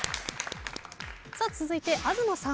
続いて東さん。